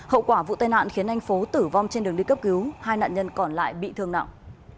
hậu quả vụ tai nạn khiến anh phố tử vong trên đường đi cấp cứu hai nạn nhân còn lại bị thương nặng